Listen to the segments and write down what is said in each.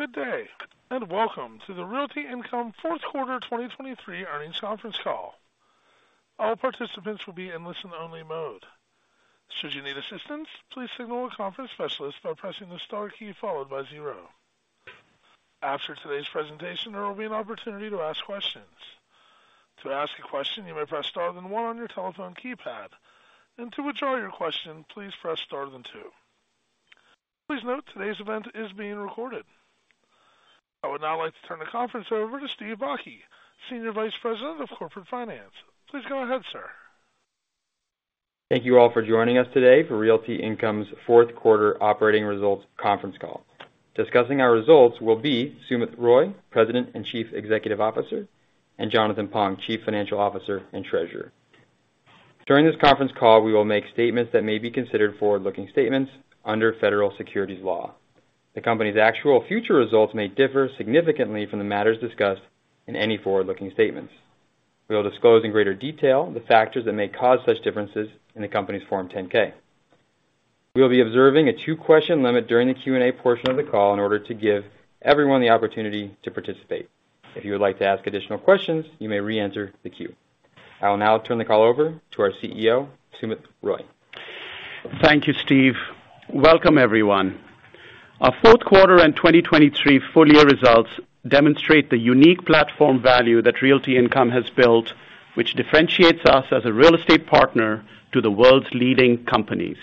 Good day, and welcome to the Realty Income Fourth Quarter 2023 Earnings Conference Call. All participants will be in listen-only mode. Should you need assistance, please signal a conference specialist by pressing the star key followed by zero. After today's presentation, there will be an opportunity to ask questions. To ask a question, you may press star then one on your telephone keypad, and to withdraw your question, please press star then two. Please note, today's event is being recorded. I would now like to turn the conference over to Steve Bakke, Senior Vice President of Corporate Finance. Please go ahead, sir. Thank you all for joining us today for Realty Income's Fourth Quarter Operating Results conference call. Discussing our results will be Sumit Roy, President and Chief Executive Officer, and Jonathan Pong, Chief Financial Officer and Treasurer. During this conference call, we will make statements that may be considered forward-looking statements under federal securities law. The company's actual future results may differ significantly from the matters discussed in any forward-looking statements. We will disclose in greater detail the factors that may cause such differences in the company's Form 10-K. We will be observing a two-question limit during the Q&A portion of the call in order to give everyone the opportunity to participate. If you would like to ask additional questions, you may re-enter the queue. I will now turn the call over to our CEO, Sumit Roy. Thank you, Steve. Welcome, everyone. Our fourth quarter and 2023 full-year results demonstrate the unique platform value that Realty Income has built, which differentiates us as a real estate partner to the world's leading companies.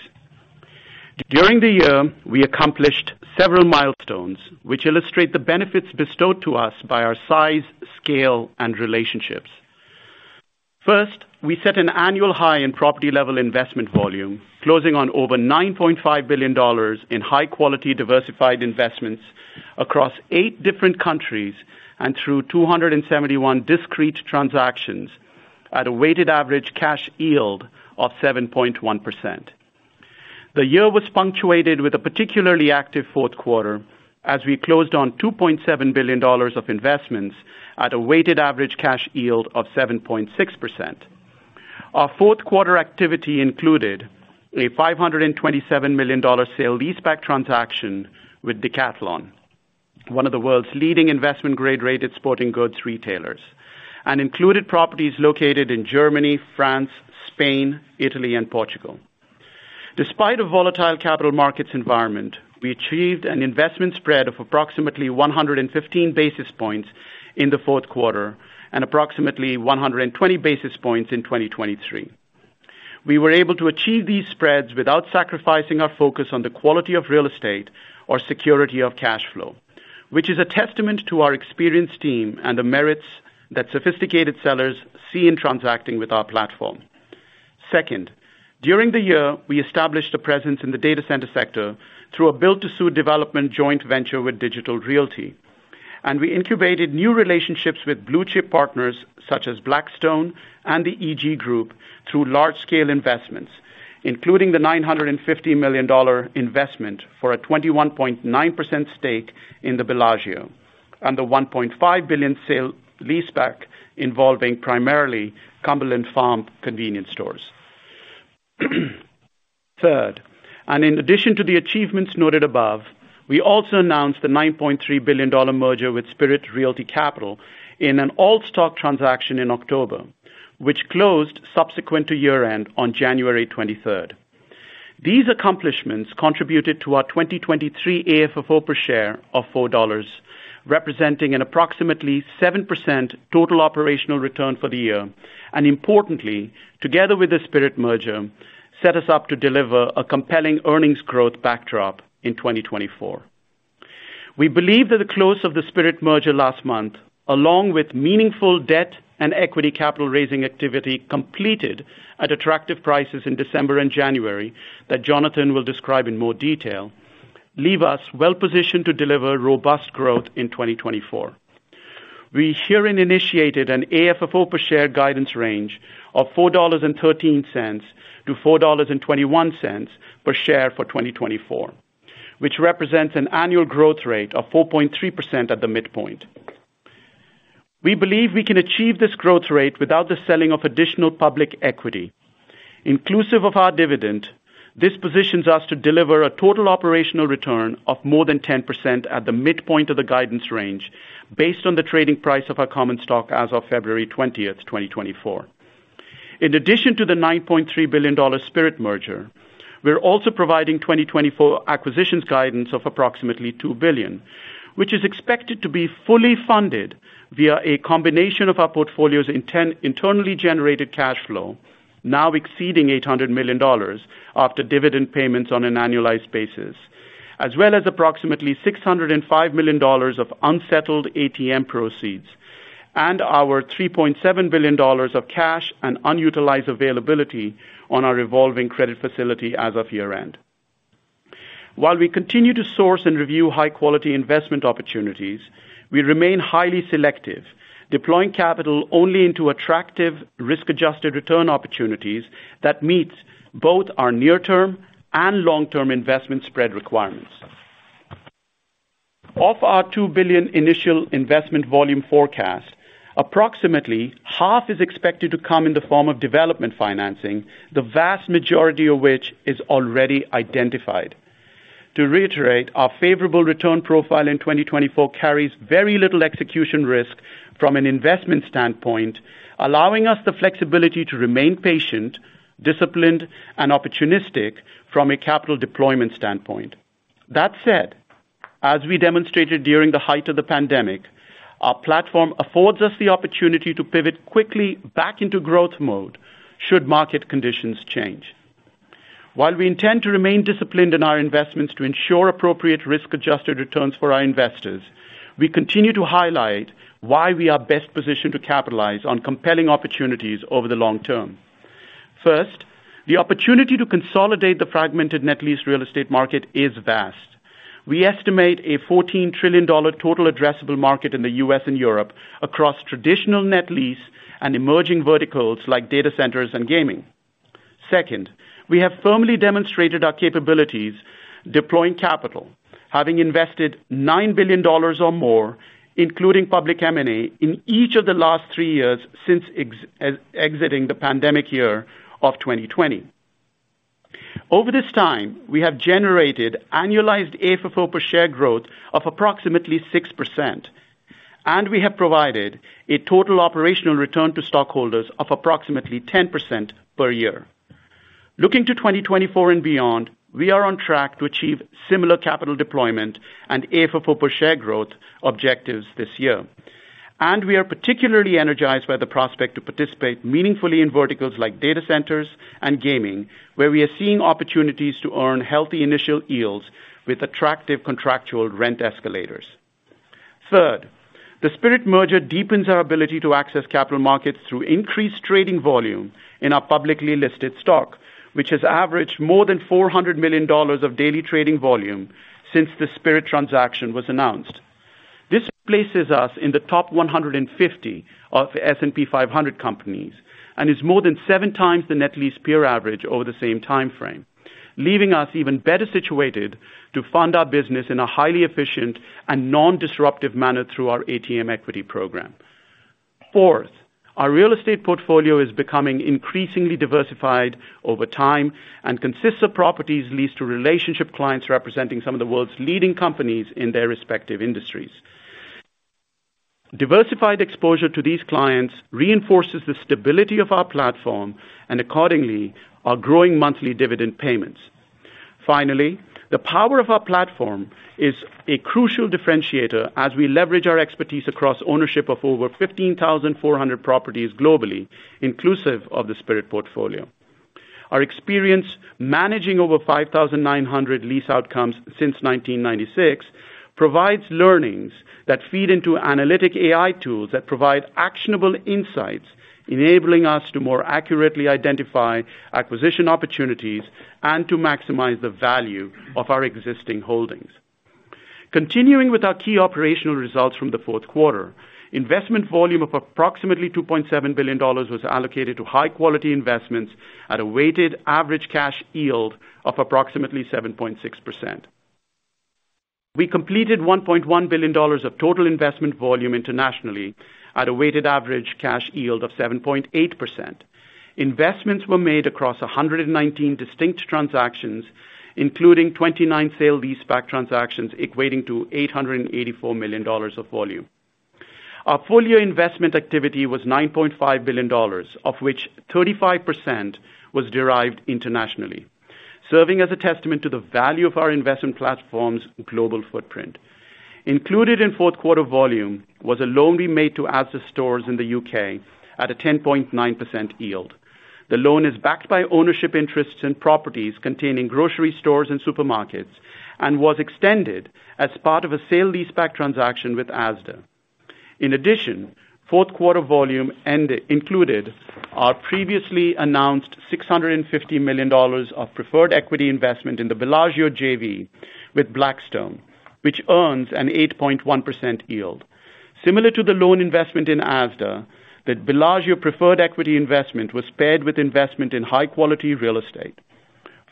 During the year, we accomplished several milestones, which illustrate the benefits bestowed to us by our size, scale, and relationships. First, we set an annual high in property-level investment volume, closing on over $9.5 billion in high-quality, diversified investments across eight different countries and through 271 discrete transactions at a weighted average cash yield of 7.1%. The year was punctuated with a particularly active fourth quarter as we closed on $2.7 billion of investments at a weighted average cash yield of 7.6%. Our fourth quarter activity included a $527 million sale-leaseback transaction with Decathlon, one of the world's leading investment grade-rated sporting goods retailers, and included properties located in Germany, France, Spain, Italy, and Portugal. Despite a volatile capital markets environment, we achieved an investment spread of approximately 115 basis points in the fourth quarter and approximately 120 basis points in 2023. We were able to achieve these spreads without sacrificing our focus on the quality of real estate or security of cash flow, which is a testament to our experienced team and the merits that sophisticated sellers see in transacting with our platform. Second, during the year, we established a presence in the data center sector through a build-to-suit development joint venture with Digital Realty, and we incubated new relationships with blue-chip partners such as Blackstone and the EG Group through large-scale investments, including the $950 million investment for a 21.9% stake in the Bellagio and the $1.5 billion sale-leaseback involving primarily Cumberland Farms convenience stores. Third, and in addition to the achievements noted above, we also announced the $9.3 billion merger with Spirit Realty Capital in an all-stock transaction in October, which closed subsequent to year-end on January 23rd. These accomplishments contributed to our 2023 AFFO per share of $4, representing an approximately 7% total operational return for the year, and importantly, together with the Spirit merger, set us up to deliver a compelling earnings growth backdrop in 2024. We believe that the close of the Spirit merger last month, along with meaningful debt and equity capital raising activity completed at attractive prices in December and January, that Jonathan will describe in more detail, leave us well positioned to deliver robust growth in 2024. We herein initiated an AFFO per share guidance range of $4.13-$4.21 per share for 2024, which represents an annual growth rate of 4.3% at the midpoint. We believe we can achieve this growth rate without the selling of additional public equity. Inclusive of our dividend, this positions us to deliver a total operational return of more than 10% at the midpoint of the guidance range based on the trading price of our common stock as of February 20, 2024. In addition to the $9.3 billion Spirit merger, we're also providing 2024 acquisitions guidance of approximately $2 billion, which is expected to be fully funded via a combination of our portfolio's internally generated cash flow, now exceeding $800 million after dividend payments on an annualized basis, as well as approximately $605 million of unsettled ATM proceeds and our $3.7 billion of cash and unutilized availability on our revolving credit facility as of year-end. While we continue to source and review high-quality investment opportunities, we remain highly selective, deploying capital only into attractive risk-adjusted return opportunities that meets both our near-term and long-term investment spread requirements. Of our $2 billion initial investment volume forecast, approximately half is expected to come in the form of development financing, the vast majority of which is already identified. To reiterate, our favorable return profile in 2024 carries very little execution risk from an investment standpoint, allowing us the flexibility to remain patient, disciplined, and opportunistic from a capital deployment standpoint. That said, as we demonstrated during the height of the pandemic, our platform affords us the opportunity to pivot quickly back into growth mode should market conditions change. While we intend to remain disciplined in our investments to ensure appropriate risk-adjusted returns for our investors, we continue to highlight why we are best positioned to capitalize on compelling opportunities over the long term. First, the opportunity to consolidate the fragmented net lease real estate market is vast. We estimate a $14 trillion total addressable market in the U.S. and Europe across traditional net lease and emerging verticals like data centers and gaming. Second, we have firmly demonstrated our capabilities deploying capital, having invested $9 billion or more, including public M&A, in each of the last three years since exiting the pandemic year of 2020. Over this time, we have generated annualized AFFO per share growth of approximately 6%, and we have provided a total operational return to stockholders of approximately 10% per year. Looking to 2024 and beyond, we are on track to achieve similar capital deployment and AFFO per share growth objectives this year, and we are particularly energized by the prospect to participate meaningfully in verticals like data centers and gaming, where we are seeing opportunities to earn healthy initial yields with attractive contractual rent escalators. Third, the Spirit merger deepens our ability to access capital markets through increased trading volume in our publicly listed stock, which has averaged more than $400 million of daily trading volume since the Spirit transaction was announced. This places us in the top 150 of S&P 500 companies, and is more than 7 times the net lease peer average over the same time frame, leaving us even better situated to fund our business in a highly efficient and non-disruptive manner through our ATM equity program. Fourth, our real estate portfolio is becoming increasingly diversified over time and consists of properties leased to relationship clients representing some of the world's leading companies in their respective industries. Diversified exposure to these clients reinforces the stability of our platform and accordingly, our growing monthly dividend payments. Finally, the power of our platform is a crucial differentiator as we leverage our expertise across ownership of over 15,400 properties globally, inclusive of the Spirit portfolio. Our experience managing over 5,900 lease outcomes since 1996, provides learnings that feed into analytic AI tools that provide actionable insights, enabling us to more accurately identify acquisition opportunities and to maximize the value of our existing holdings. Continuing with our key operational results from the fourth quarter, investment volume of approximately $2.7 billion was allocated to high quality investments at a weighted average cash yield of approximately 7.6%. We completed $1.1 billion of total investment volume internationally at a weighted average cash yield of 7.8%. Investments were made across 119 distinct transactions, including 29 sale-leaseback transactions, equating to $884 million of volume. Our portfolio investment activity was $9.5 billion, of which 35% was derived internationally, serving as a testament to the value of our investment platform's global footprint. Included in fourth quarter volume was a loan we made to Asda Stores in the U.K. at a 10.9% yield. The loan is backed by ownership interests in properties containing grocery stores and supermarkets, and was extended as part of a sale-leaseback transaction with Asda. In addition, fourth quarter volume included our previously announced $650 million of preferred equity investment in the Bellagio JV with Blackstone, which earns an 8.1% yield. Similar to the loan investment in Asda, the Bellagio preferred equity investment was paired with investment in high quality real estate.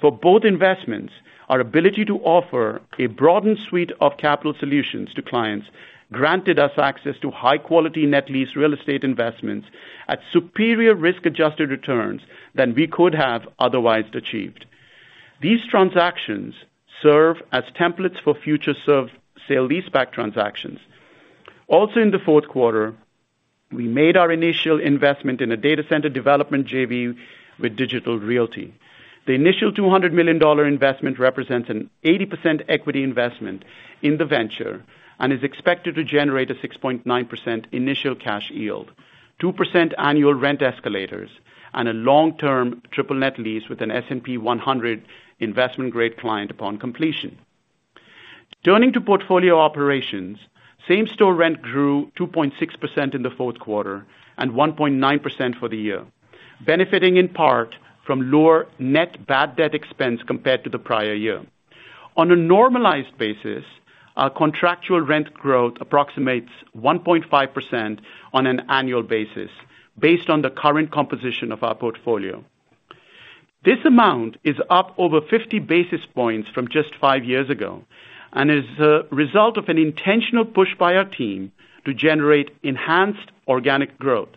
For both investments, our ability to offer a broadened suite of capital solutions to clients granted us access to high quality net lease real estate investments at superior risk-adjusted returns than we could have otherwise achieved. These transactions serve as templates for future sale-leaseback transactions. Also in the fourth quarter, we made our initial investment in a data center development JV with Digital Realty. The initial $200 million investment represents an 80% equity investment in the venture and is expected to generate a 6.9% initial cash yield, 2% annual rent escalators, and a long-term triple net lease with an S&P 100 investment grade client upon completion. Turning to portfolio operations, same-store rent grew 2.6% in the fourth quarter and 1.9% for the year, benefiting in part from lower net bad debt expense compared to the prior year. On a normalized basis, our contractual rent growth approximates 1.5% on an annual basis, based on the current composition of our portfolio.... This amount is up over 50 basis points from just 5 years ago, and is a result of an intentional push by our team to generate enhanced organic growth.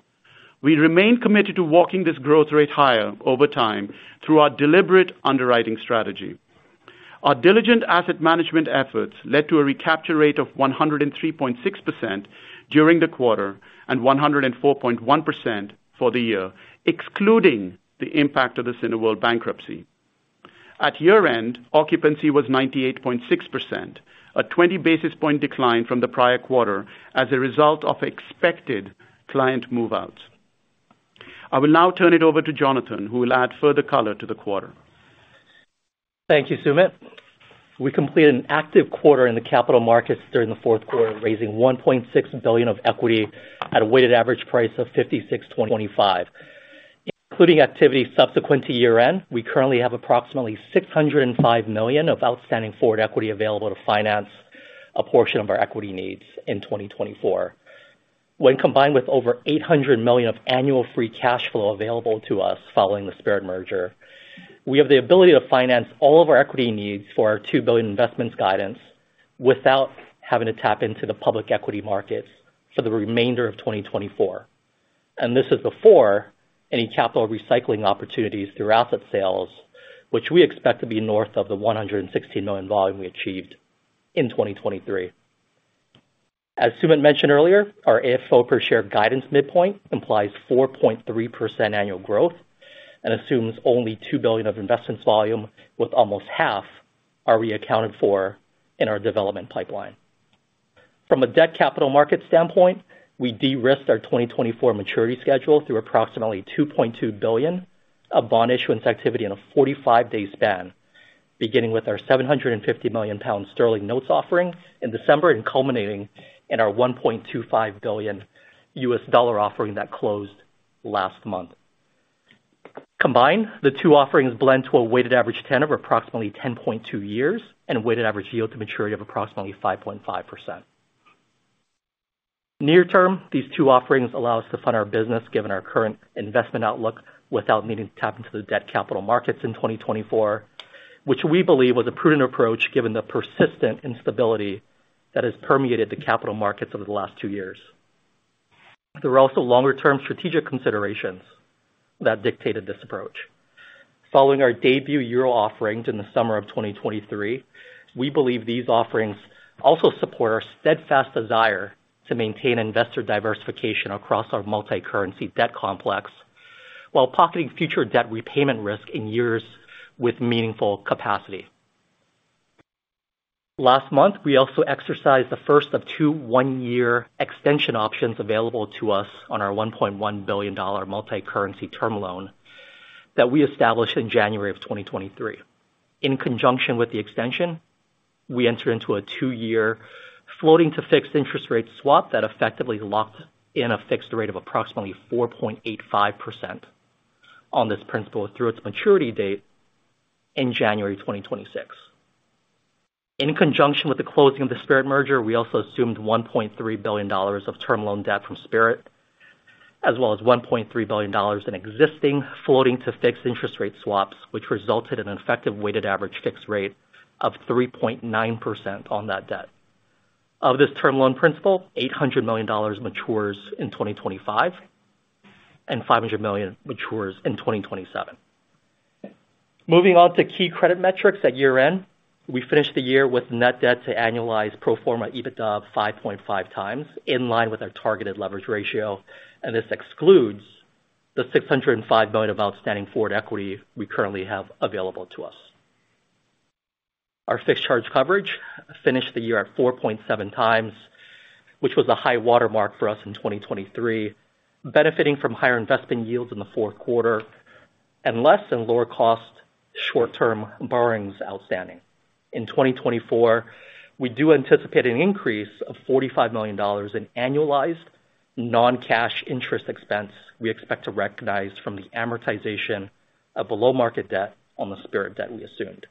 We remain committed to walking this growth rate higher over time through our deliberate underwriting strategy. Our diligent asset management efforts led to a recapture rate of 103.6% during the quarter, and 104.1% for the year, excluding the impact of the Cineworld bankruptcy. At year-end, occupancy was 98.6%, a 20 basis point decline from the prior quarter as a result of expected client move-outs. I will now turn it over to Jonathan, who will add further color to the quarter. Thank you, Sumit. We completed an active quarter in the capital markets during the fourth quarter, raising $1.6 billion of equity at a weighted average price of $56.25. Including activity subsequent to year-end, we currently have approximately $605 million of outstanding forward equity available to finance a portion of our equity needs in 2024. When combined with over $800 million of annual free cash flow available to us following the Spirit merger, we have the ability to finance all of our equity needs for our $2 billion investments guidance without having to tap into the public equity markets for the remainder of 2024. And this is before any capital recycling opportunities through asset sales, which we expect to be north of the $160 million volume we achieved in 2023. As Sumit mentioned earlier, our AFFO per share guidance midpoint implies 4.3% annual growth and assumes only $2 billion of investments volume, with almost half are accounted for in our development pipeline. From a debt capital market standpoint, we de-risked our 2024 maturity schedule through approximately $2.2 billion of bond issuance activity in a 45-day span, beginning with our 750 million pound sterling notes offering in December and culminating in our $1.25 billion US dollar offering that closed last month. Combined, the two offerings blend to a weighted average tenure of approximately 10.2 years and a weighted average yield to maturity of approximately 5.5%. Near term, these two offerings allow us to fund our business, given our current investment outlook, without needing to tap into the debt capital markets in 2024, which we believe was a prudent approach, given the persistent instability that has permeated the capital markets over the last two years. There are also longer-term strategic considerations that dictated this approach. Following our debut Euro offerings in the summer of 2023, we believe these offerings also support our steadfast desire to maintain investor diversification across our multicurrency debt complex, while pocketing future debt repayment risk in years with meaningful capacity. Last month, we also exercised the first of two 1-year extension options available to us on our $1.1 billion multicurrency term loan that we established in January of 2023. In conjunction with the extension, we entered into a two-year floating to fixed interest rate swap that effectively locked in a fixed rate of approximately 4.85% on this principal through its maturity date in January 2026. In conjunction with the closing of the Spirit merger, we also assumed $1.3 billion of term loan debt from Spirit, as well as $1.3 billion in existing floating to fixed interest rate swaps, which resulted in an effective weighted average fixed rate of 3.9% on that debt. Of this term loan principal, $800 million matures in 2025, and $500 million matures in 2027. Moving on to key credit metrics at year-end. We finished the year with net debt to annualized pro forma EBITDA of 5.5 times, in line with our targeted leverage ratio, and this excludes the $605 million of outstanding forward equity we currently have available to us. Our fixed charge coverage finished the year at 4.7 times, which was a high watermark for us in 2023, benefiting from higher investment yields in the fourth quarter and less and lower cost short-term borrowings outstanding. In 2024, we do anticipate an increase of $45 million in annualized non-cash interest expense we expect to recognize from the amortization of below-market debt on the Spirit debt we assumed.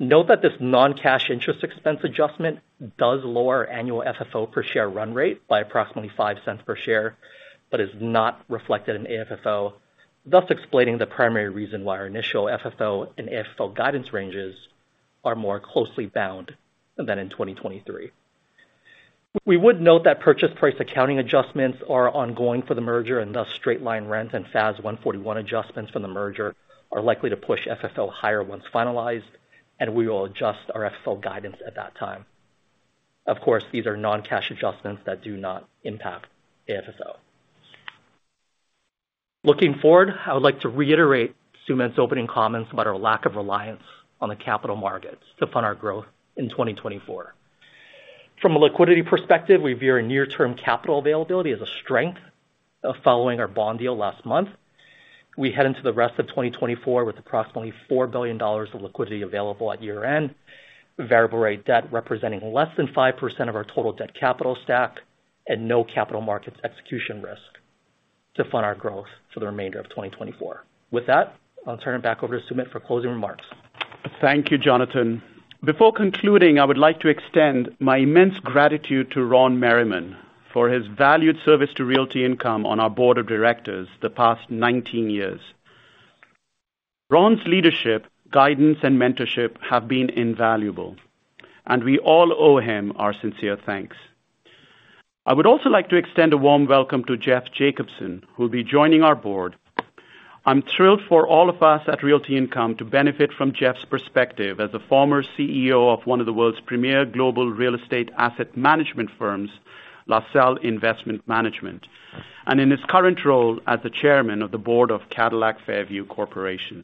Note that this non-cash interest expense adjustment does lower annual FFO per share run rate by approximately $0.05 per share, but is not reflected in AFFO, thus explaining the primary reason why our initial FFO and AFFO guidance ranges are more closely bound than in 2023. We would note that purchase price accounting adjustments are ongoing for the merger, and thus straight-line rent and FAS 141 adjustments from the merger are likely to push FFO higher once finalized, and we will adjust our FFO guidance at that time. Of course, these are non-cash adjustments that do not impact AFFO. Looking forward, I would like to reiterate Sumit's opening comments about our lack of reliance on the capital markets to fund our growth in 2024. From a liquidity perspective, we view our near-term capital availability as a strength of following our bond deal last month. We head into the rest of 2024 with approximately $4 billion of liquidity available at year-end, variable rate debt representing less than 5% of our total debt capital stack, and no capital markets execution risk to fund our growth for the remainder of 2024. With that, I'll turn it back over to Sumit for closing remarks.... Thank you, Jonathan. Before concluding, I would like to extend my immense gratitude to Ron Merriman for his valued service to Realty Income on our board of directors the past 19 years. Ron's leadership, guidance, and mentorship have been invaluable, and we all owe him our sincere thanks. I would also like to extend a warm welcome to Jeff Jacobson, who will be joining our board. I'm thrilled for all of us at Realty Income to benefit from Jeff's perspective as a former CEO of one of the world's premier global real estate asset management firms, LaSalle Investment Management, and in his current role as the Chairman of the Board of Cadillac Fairview Corporation.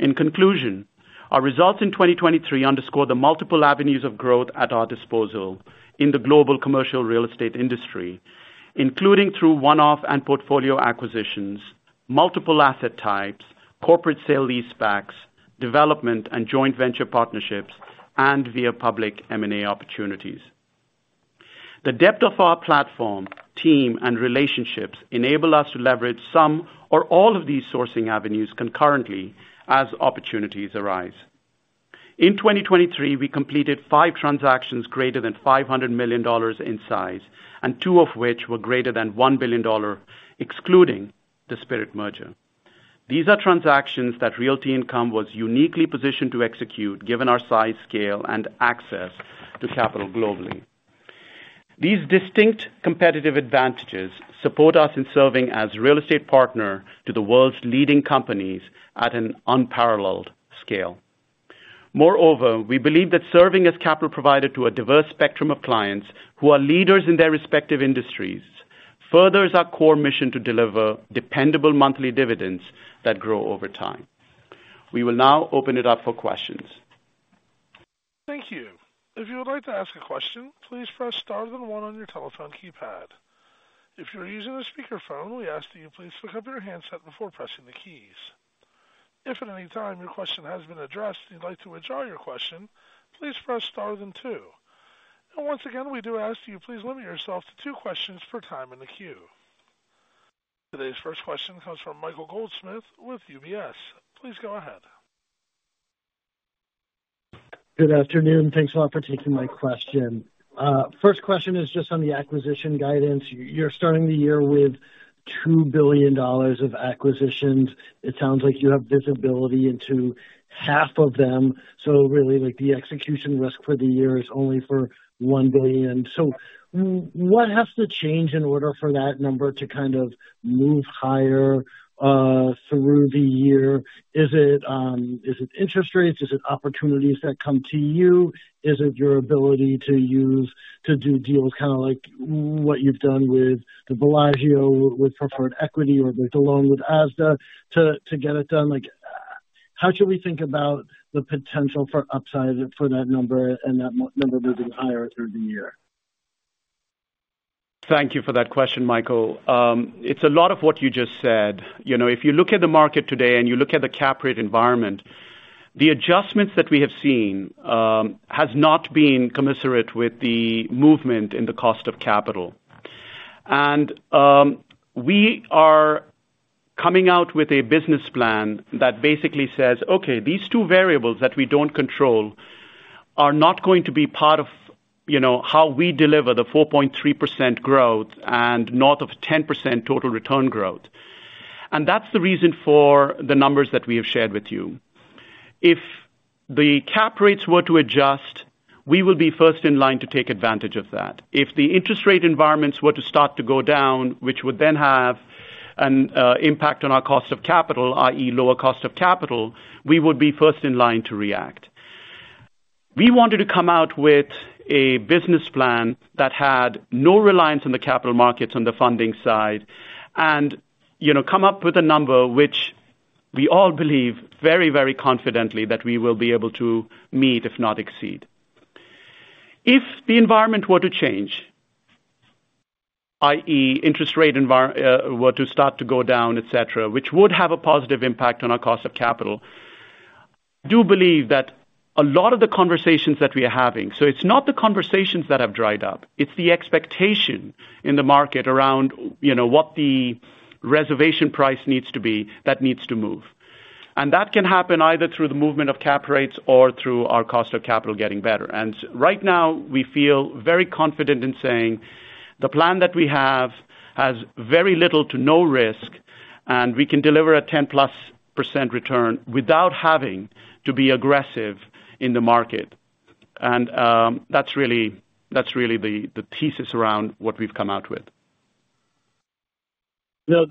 In conclusion, our results in 2023 underscore the multiple avenues of growth at our disposal in the global commercial real estate industry, including through one-off and portfolio acquisitions, multiple asset types, corporate sale-leasebacks, development and joint venture partnerships, and via public M&A opportunities. The depth of our platform, team, and relationships enable us to leverage some or all of these sourcing avenues concurrently as opportunities arise. In 2023, we completed 5 transactions greater than $500 million in size, and two of which were greater than $1 billion, excluding the Spirit merger. These are transactions that Realty Income was uniquely positioned to execute, given our size, scale, and access to capital globally. These distinct competitive advantages support us in serving as real estate partner to the world's leading companies at an unparalleled scale. Moreover, we believe that serving as capital provider to a diverse spectrum of clients who are leaders in their respective industries, furthers our core mission to deliver dependable monthly dividends that grow over time. We will now open it up for questions. Thank you. If you would like to ask a question, please press star then one on your telephone keypad. If you are using a speakerphone, we ask that you please pick up your handset before pressing the keys. If at any time your question has been addressed and you'd like to withdraw your question, please press star then two. Once again, we do ask you, please limit yourself to two questions per time in the queue. Today's first question comes from Michael Goldsmith with UBS. Please go ahead. Good afternoon. Thanks a lot for taking my question. First question is just on the acquisition guidance. You're starting the year with $2 billion of acquisitions. It sounds like you have visibility into half of them, so really, like, the execution risk for the year is only for $1 billion. So what has to change in order for that number to kind of move higher through the year? Is it interest rates? Is it opportunities that come to you? Is it your ability to use to do deals, kinda like what you've done with the Bellagio, with preferred equity or with the loan with Asda to get it done? Like, how should we think about the potential for upside for that number and that number moving higher through the year? Thank you for that question, Michael. It's a lot of what you just said. You know, if you look at the market today and you look at the cap rate environment, the adjustments that we have seen has not been commensurate with the movement in the cost of capital. And we are coming out with a business plan that basically says, "Okay, these two variables that we don't control are not going to be part of, you know, how we deliver the 4.3% growth and north of 10% total return growth." And that's the reason for the numbers that we have shared with you. If the cap rates were to adjust, we will be first in line to take advantage of that. If the interest rate environments were to start to go down, which would then have an impact on our cost of capital, i.e., lower cost of capital, we would be first in line to react. We wanted to come out with a business plan that had no reliance on the capital markets on the funding side, and, you know, come up with a number which we all believe very, very confidently that we will be able to meet, if not exceed. If the environment were to change, i.e., interest rate environment were to start to go down, et cetera, which would have a positive impact on our cost of capital, I do believe that a lot of the conversations that we are having... So it's not the conversations that have dried up, it's the expectation in the market around, you know, what the reservation price needs to be that needs to move. And that can happen either through the movement of cap rates or through our cost of capital getting better. And right now, we feel very confident in saying the plan that we have has very little to no risk, and we can deliver a 10%+ return without having to be aggressive in the market. And that's really the thesis around what we've come out with. No,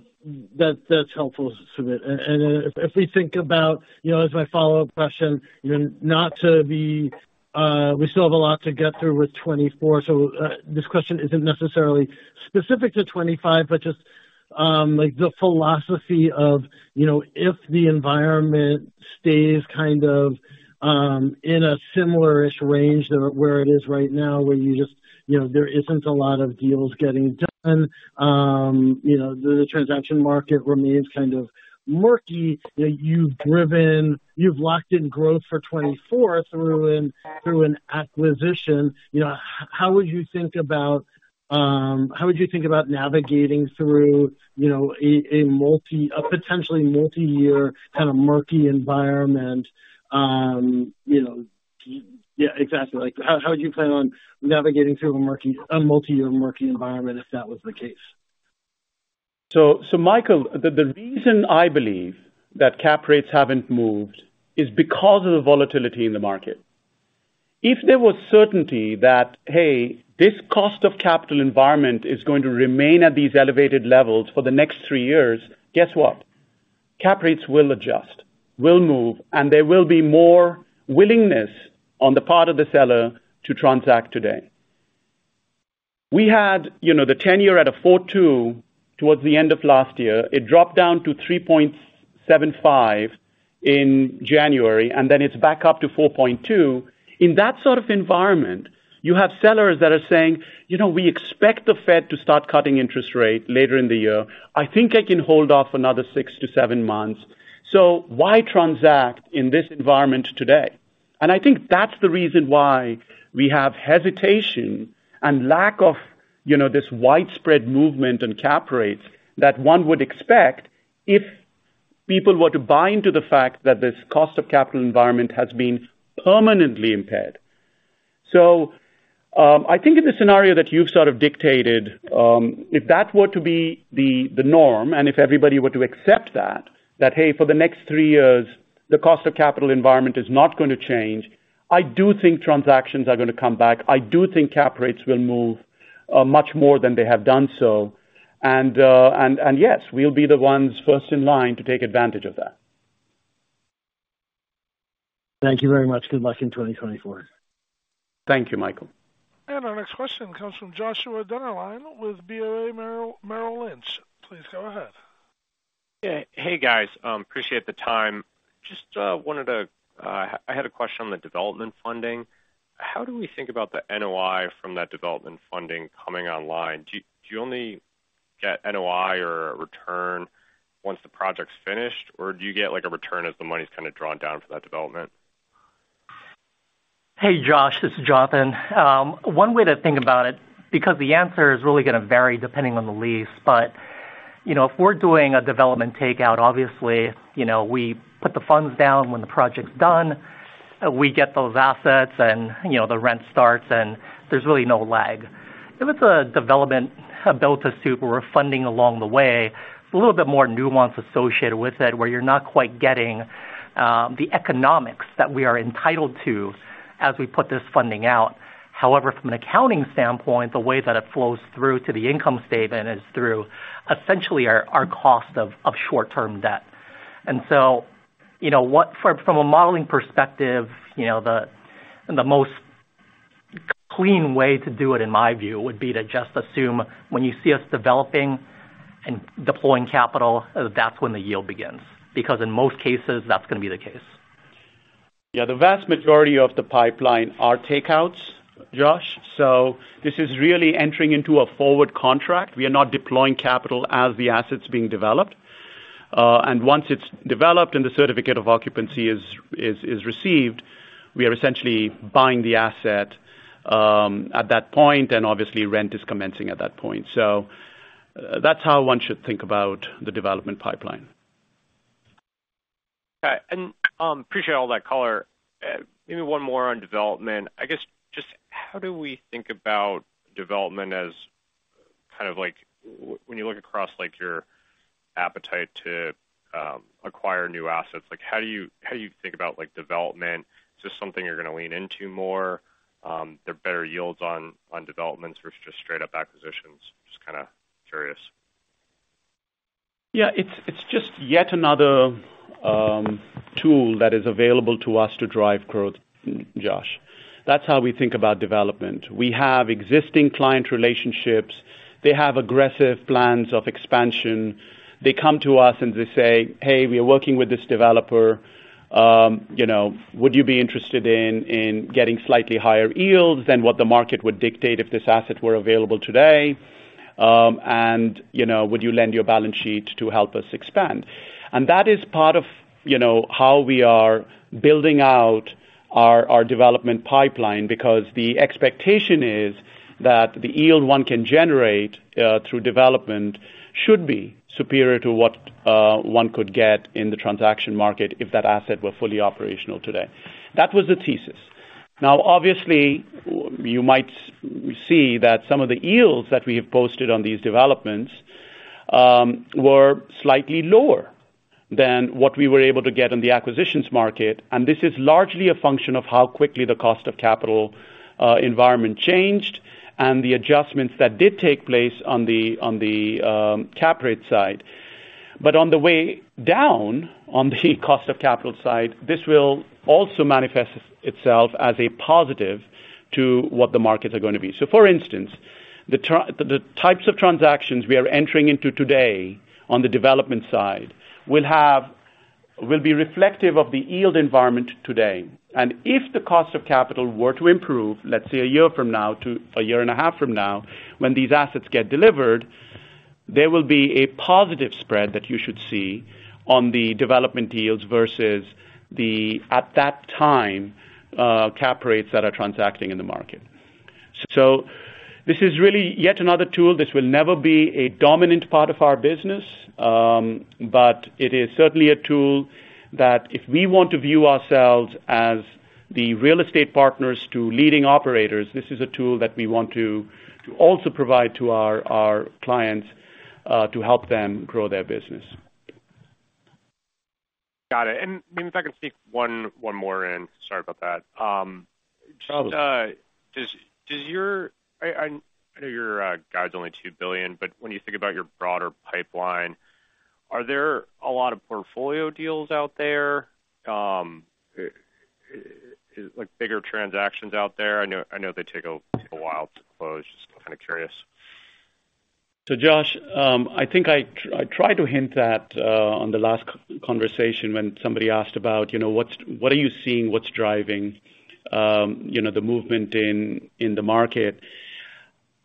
that, that's helpful, Sumit. And, and if, if we think about, you know, as my follow-up question, you know, not to be, we still have a lot to get through with 2024. So, this question isn't necessarily specific to 2025, but just, like, the philosophy of, you know, if the environment stays kind of, in a similar-ish range to where it is right now, where you just, you know, there isn't a lot of deals getting done, you know, the transaction market remains kind of murky, that you've driven—you've locked in growth for 2024 through an, through an acquisition. You know, how would you think about, how would you think about navigating through, you know, a potentially multi-year, kind of murky environment? You know... Yeah, exactly. Like, how would you plan on navigating through a multi-year murky environment, if that was the case?... So, Michael, the reason I believe that cap rates haven't moved is because of the volatility in the market. If there was certainty that, hey, this cost of capital environment is going to remain at these elevated levels for the next three years, guess what? Cap rates will adjust, will move, and there will be more willingness on the part of the seller to transact today. We had, you know, the tenure at 4.2 towards the end of last year. It dropped down to 3.75 in January, and then it's back up to 4.2. In that sort of environment, you have sellers that are saying: "You know, we expect the Fed to start cutting interest rates later in the year. I think I can hold off another 6-7 months." So why transact in this environment today? And I think that's the reason why we have hesitation and lack of, you know, this widespread movement in cap rates that one would expect if people were to buy into the fact that this cost of capital environment has been permanently impaired. So, I think in the scenario that you've sort of dictated, if that were to be the norm, and if everybody were to accept that, hey, for the next three years, the cost of capital environment is not gonna change, I do think transactions are gonna come back. I do think cap rates will move much more than they have done so, and yes, we'll be the ones first in line to take advantage of that. Thank you very much. Good luck in 2024. Thank you, Michael. Our next question comes from Joshua Dennerlein with Bank of America Merrill Lynch. Please go ahead. Yeah. Hey, guys, appreciate the time. Just wanted to... I had a question on the development funding. How do we think about the NOI from that development funding coming online? Do you only get NLI or return once the project's finished, or do you get, like, a return as the money's kind of drawn down for that development? Hey, Josh, this is Jonathan. One way to think about it, because the answer is really gonna vary depending on the lease, but, you know, if we're doing a development takeout, obviously, you know, we put the funds down when the project's done, we get those assets and, you know, the rent starts and there's really no lag. If it's a development, built to suit, where we're funding along the way, it's a little bit more nuance associated with it, where you're not quite getting the economics that we are entitled to as we put this funding out. However, from an accounting standpoint, the way that it flows through to the income statement is through essentially our cost of short-term debt. And so, you know what? From a modeling perspective, you know, the most clean way to do it, in my view, would be to just assume when you see us developing and deploying capital, that's when the yield begins, because in most cases, that's gonna be the case. Yeah, the vast majority of the pipeline are takeouts, Josh, so this is really entering into a forward contract. We are not deploying capital as the asset's being developed. And once it's developed and the certificate of occupancy is received, we are essentially buying the asset, at that point, and obviously rent is commencing at that point. So that's how one should think about the development pipeline. Okay, and appreciate all that color. Maybe one more on development. I guess, just how do we think about development as kind of like when you look across, like, your appetite to, acquire new assets? Like, how do you, how do you think about like, development? Is this something you're gonna lean into more? There are better yields on, on developments versus just straight-up acquisitions. Just kind of curious. Yeah, it's just yet another tool that is available to us to drive growth, Josh. That's how we think about development. We have existing client relationships. They have aggressive plans of expansion. They come to us, and they say: "Hey, we are working with this developer, you know, would you be interested in getting slightly higher yields than what the market would dictate if this asset were available today? And, you know, would you lend your balance sheet to help us expand?" And that is part of, you know, how we are building out our development pipeline, because the expectation is that the yield one can generate through development should be superior to what one could get in the transaction market if that asset were fully operational today. That was the thesis. Now, obviously, you might see that some of the yields that we have posted on these developments were slightly lower than what we were able to get in the acquisitions market, and this is largely a function of how quickly the cost of capital environment changed and the adjustments that did take place on the cap rate side. But on the way down, on the cost of capital side, this will also manifest itself as a positive to what the markets are going to be. So for instance, the types of transactions we are entering into today on the development side will be reflective of the yield environment today. If the cost of capital were to improve, let's say, a year from now to a year and a half from now, when these assets get delivered, there will be a positive spread that you should see on the development deals versus the, at that time, cap rates that are transacting in the market. So this is really yet another tool. This will never be a dominant part of our business, but it is certainly a tool that if we want to view ourselves as the real estate partners to leading operators, this is a tool that we want to also provide to our clients, to help them grow their business. Got it. And maybe if I can sneak one, one more in. Sorry about that. Sure. Just, does your—I know your guide's only $2 billion, but when you think about your broader pipeline, are there a lot of portfolio deals out there? Like, bigger transactions out there? I know, I know they take a while to close. Just kinda curious. So Josh, I think I tried to hint at on the last conversation when somebody asked about, you know, what's "What are you seeing? What's driving, you know, the movement in the market?"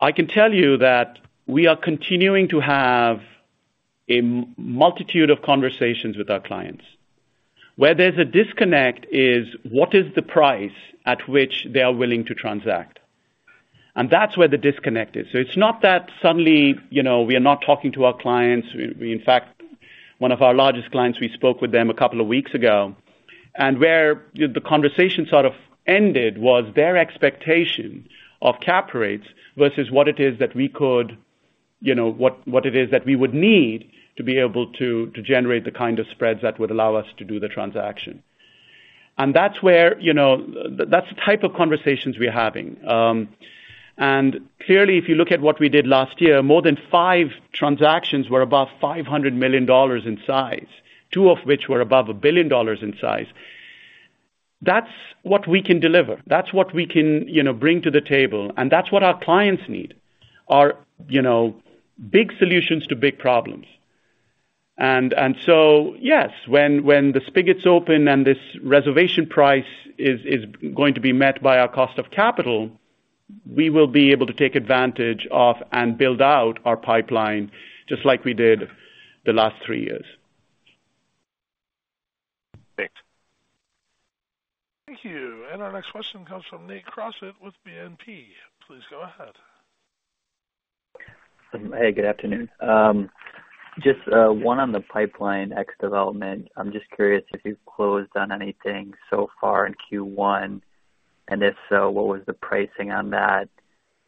I can tell you that we are continuing to have a multitude of conversations with our clients. Where there's a disconnect is, what is the price at which they are willing to transact? And that's where the disconnect is. So it's not that suddenly, you know, we are not talking to our clients. We, we... In fact, one of our largest clients, we spoke with them a couple of weeks ago, and where the conversation sort of ended was their expectation of cap rates versus what it is that we could, you know, what, what it is that we would need to be able to, to generate the kind of spreads that would allow us to do the transaction. And that's where, you know... That's the type of conversations we're having. And clearly, if you look at what we did last year, more than 5 transactions were above $500 million in size, 2 of which were above $1 billion in size. That's what we can deliver. That's what we can, you know, bring to the table, and that's what our clients need, are, you know, big solutions to big problems. And so, yes, when the spigots open and this reservation price is going to be met by our cost of capital, we will be able to take advantage of and build out our pipeline, just like we did the last three years. Thanks. Thank you. And our next question comes from Nate Crossett with BNP. Please go ahead. Hey, good afternoon. Just, one on the pipeline X development. I'm just curious if you've closed on anything so far in Q1, and if so, what was the pricing on that?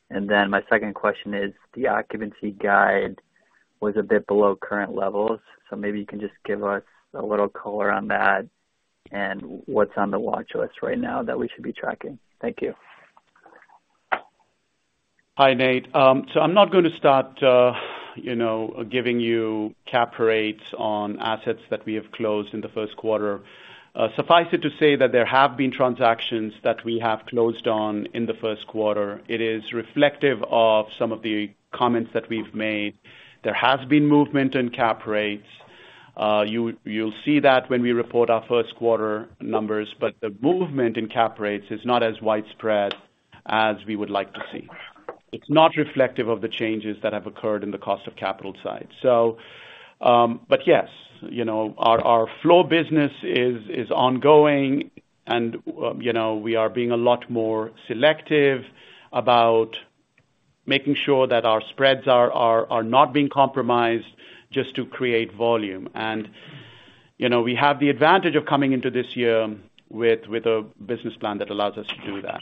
And then my second question is: the occupancy guide was a bit below current levels, so maybe you can just give us a little color on that, and what's on the watch list right now that we should be tracking. Thank you. Hi, Nate. So I'm not going to start, you know, giving you cap rates on assets that we have closed in the first quarter. Suffice it to say that there have been transactions that we have closed on in the first quarter. It is reflective of some of the comments that we've made. There has been movement in cap rates. You'll see that when we report our first quarter numbers, but the movement in cap rates is not as widespread as we would like to see. It's not reflective of the changes that have occurred in the cost of capital side. So, but yes, you know, our flow business is ongoing and, you know, we are being a lot more selective about making sure that our spreads are not being compromised just to create volume. You know, we have the advantage of coming into this year with a business plan that allows us to do that.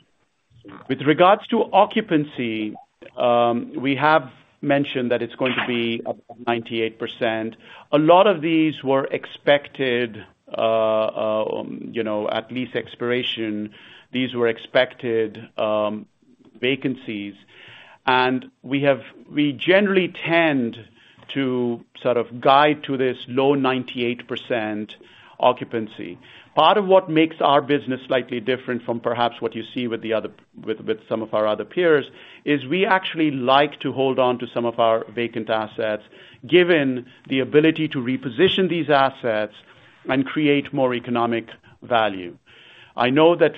With regards to occupancy, we have mentioned that it's going to be about 98%. A lot of these were expected, you know, at lease expiration. These were expected vacancies, and we generally tend to sort of guide to this low 98% occupancy. Part of what makes our business slightly different from perhaps what you see with some of our other peers is we actually like to hold on to some of our vacant assets, given the ability to reposition these assets and create more economic value. I know that,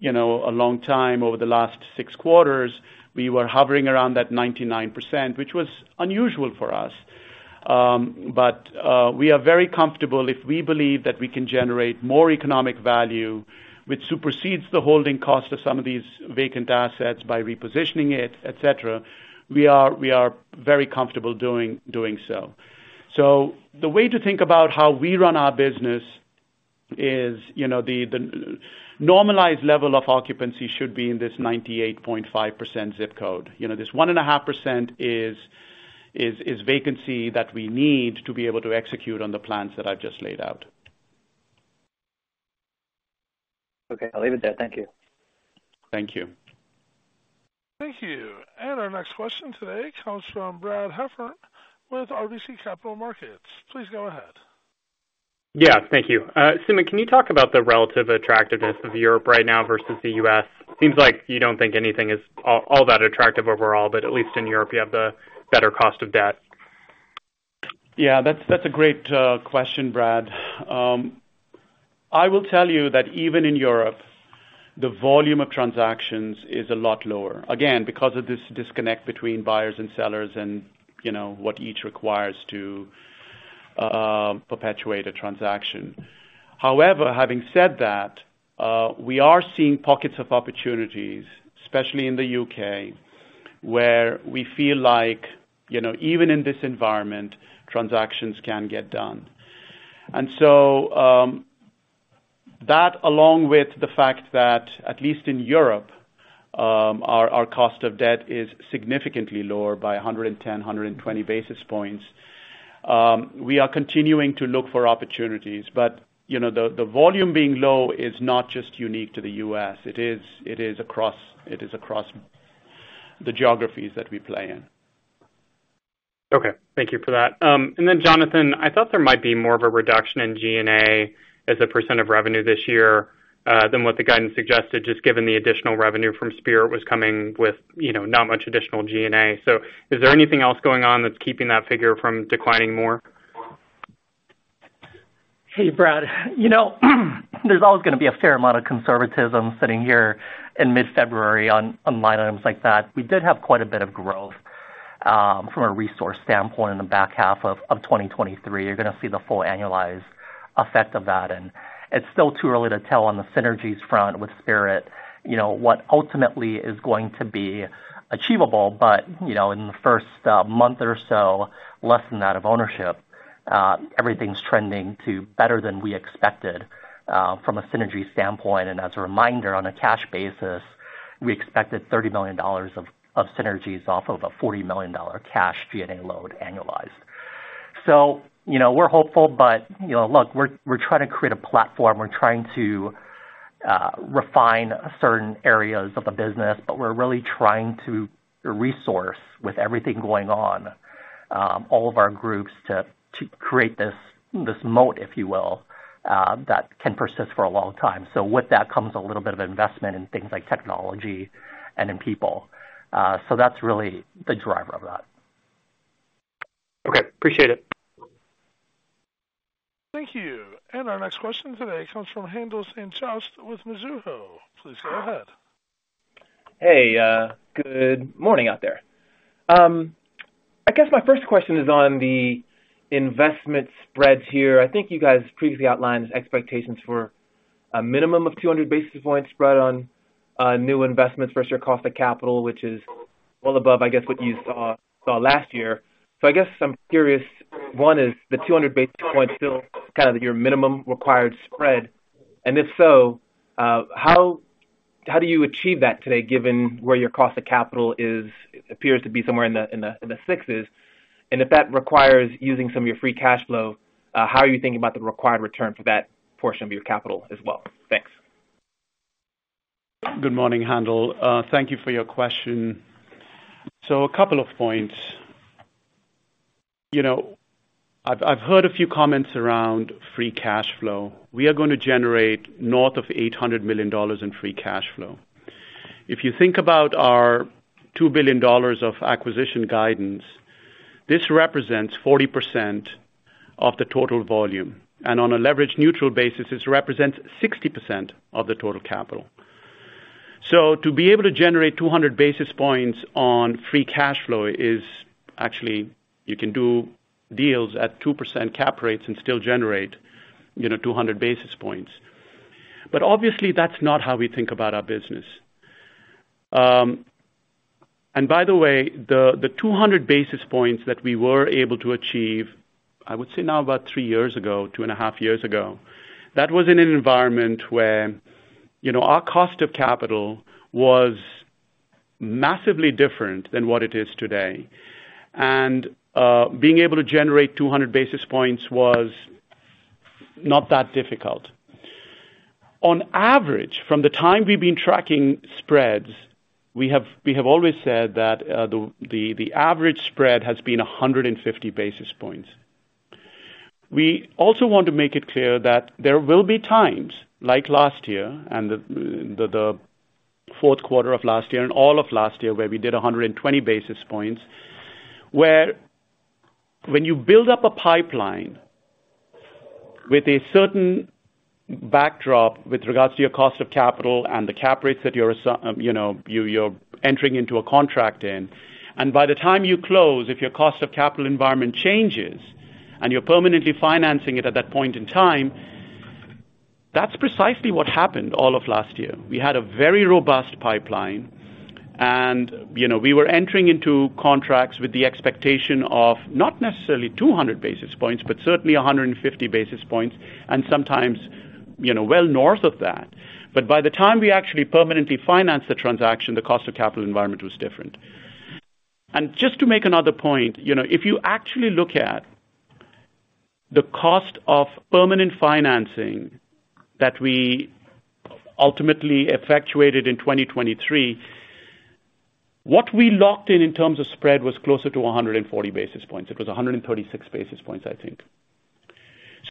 you know, for a long time, over the last 6 quarters, we were hovering around that 99%, which was unusual for us. But we are very comfortable if we believe that we can generate more economic value, which supersedes the holding cost of some of these vacant assets by repositioning it, et cetera. We are very comfortable doing so. So the way to think about how we run our business is, you know, the normalized level of occupancy should be in this 98.5% zip code. You know, this 1.5% is vacancy that we need to be able to execute on the plans that I've just laid out. Okay, I'll leave it there. Thank you. Thank you. Thank you. Our next question today comes from Brad Heffern with RBC Capital Markets. Please go ahead. Yeah, thank you. Sumit, can you talk about the relative attractiveness of Europe right now versus the U.S.? Seems like you don't think anything is all that attractive overall, but at least in Europe, you have the better cost of debt. Yeah, that's a great question, Brad. I will tell you that even in Europe, the volume of transactions is a lot lower. Again, because of this disconnect between buyers and sellers and, you know, what each requires to, perpetuate a transaction. However, having said that, we are seeing pockets of opportunities, especially in the U.K.... where we feel like, you know, even in this environment, transactions can get done. And so, that along with the fact that at least in Europe, our cost of debt is significantly lower by 110-120 basis points. We are continuing to look for opportunities, but, you know, the volume being low is not just unique to the U.S., it is across the geographies that we play in. Okay, thank you for that. And then, Jonathan, I thought there might be more of a reduction in G&A as a % of revenue this year, than what the guidance suggested, just given the additional revenue from Spirit was coming with, you know, not much additional G&A. So is there anything else going on that's keeping that figure from declining more? Hey, Brad. You know, there's always gonna be a fair amount of conservatism sitting here in mid-February on line items like that. We did have quite a bit of growth from a resource standpoint in the back half of 2023. You're gonna see the full annualized effect of that, and it's still too early to tell on the synergies front with Spirit. You know, what ultimately is going to be achievable, but you know, in the first month or so, less than that of ownership, everything's trending to better than we expected from a synergy standpoint. And as a reminder, on a cash basis, we expected $30 million of synergies off of a $40 million cash G&A load annualized. So, you know, we're hopeful, but you know, look, we're trying to create a platform. We're trying to refine certain areas of the business, but we're really trying to resource with everything going on all of our groups to create this moat, if you will, that can persist for a long time. So with that comes a little bit of investment in things like technology and in people. So that's really the driver of that. Okay, appreciate it. Thank you. Our next question today comes from Haendel St. Juste with Mizuho. Please go ahead. Hey, good morning out there. I guess my first question is on the investment spreads here. I think you guys previously outlined expectations for a minimum of 200 basis points spread on, new investments versus your cost of capital, which is well above, I guess, what you saw last year. So I guess I'm curious, one, is the 200 basis points still kind of your minimum required spread? And if so, how do you achieve that today, given where your cost of capital is? It appears to be somewhere in the sixes. And if that requires using some of your free cash flow, how are you thinking about the required return for that portion of your capital as well? Thanks. Good morning, Haendel. Thank you for your question. So a couple of points. You know, I've heard a few comments around free cash flow. We are gonna generate north of $800 million in free cash flow. If you think about our $2 billion of acquisition guidance, this represents 40% of the total volume, and on a leverage neutral basis, this represents 60% of the total capital. So to be able to generate 200 basis points on free cash flow is actually, you can do deals at 2% cap rates and still generate, you know, 200 basis points. But obviously, that's not how we think about our business. And by the way, the two hundred basis points that we were able to achieve, I would say now about 3 years ago, 2.5 years ago, that was in an environment where, you know, our cost of capital was massively different than what it is today. And being able to generate 200 basis points was not that difficult. On average, from the time we've been tracking spreads, we have always said that the average spread has been 150 basis points. We also want to make it clear that there will be times, like last year and the fourth quarter of last year and all of last year, where we did 120 basis points, where when you build up a pipeline with a certain backdrop with regards to your cost of capital and the cap rates that you're, you know, you're entering into a contract in, and by the time you close, if your cost of capital environment changes and you're permanently financing it at that point in time, that's precisely what happened all of last year. We had a very robust pipeline and, you know, we were entering into contracts with the expectation of not necessarily 200 basis points, but certainly 150 basis points and sometimes, you know, well, north of that. But by the time we actually permanently financed the transaction, the cost of capital environment was different. And just to make another point, you know, if you actually look at the cost of permanent financing that we ultimately effectuated in 2023, what we locked in in terms of spread was closer to 140 basis points. It was 136 basis points, I think.